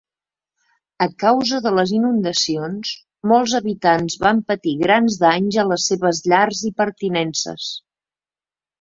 A causa de les inundacions, molts habitants van patir grans danys a les seves llars i pertinences.